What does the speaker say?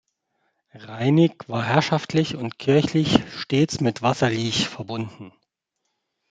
Reinig war herrschaftlich und kirchlich stets mit Wasserliesch verbunden.